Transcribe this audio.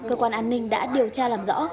cơ quan an ninh đã điều tra làm rõ